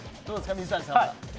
水谷さん。